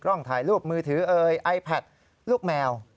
กล้องถ่ายรูปมือถือไอแพทส์ลูกแมว